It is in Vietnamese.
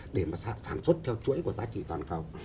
để mà sản xuất theo chuỗi của giá trị toàn cầu